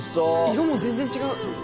色も全然違う。